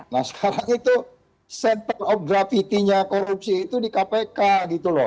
nah sekarang itu center of gravity nya korupsi itu di kpk gitu loh